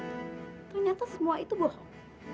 ternyata semua itu bohong